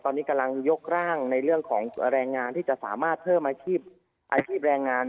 ตอนนี้กำลังยกร่างในเรื่องของแรงงานที่จะสามารถเพิ่มอาชีพอาชีพแรงงาน